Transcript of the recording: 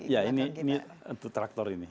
ya ini untuk traktor ini